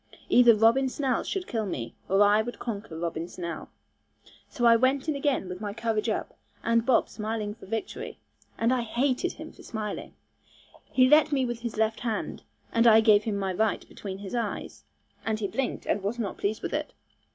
Either Robin Snell should kill me, or I would conquer Robin Snell. So I went in again with my courage up, and Bob came smiling for victory, and I hated him for smiling. He let at me with his left hand, and I gave him my right between his eyes, and he blinked, and was not pleased with it.